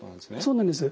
そうなんです。